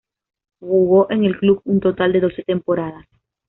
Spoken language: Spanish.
Jugó en el club un total de doce temporadas.